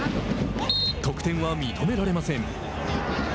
得点は認められません。